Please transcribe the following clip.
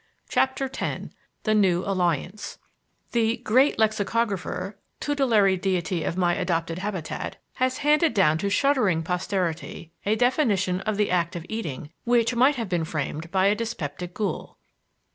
CHAPTER X THE NEW ALLIANCE The "Great Lexicographer" tutelary deity of my adopted habitat has handed down to shuddering posterity a definition of the act of eating which might have been framed by a dyspeptic ghoul.